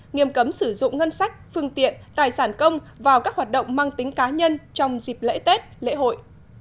nghiêm cấm sử dụng ngân sách phương tiện tài sản công vào các hoạt động mang tính cá nhân trong dịp lễ tết lễ hội